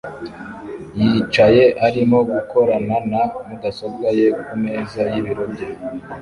yicyatsi arimo gukorana na mudasobwa ye kumeza y'ibiro bye